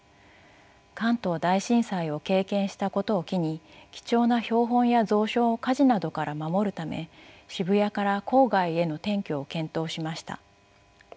関東大震災を経験したことを機に貴重な標本や蔵書を火事などから守るため渋谷から郊外への転居を検討しました。